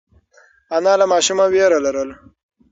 انا له ماشومه وېره لرله.